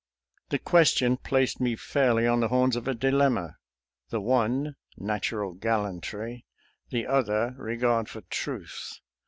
" The question placed me fairly on the horns of a dilemma — the one, natural gallantry; the other, regard for truth.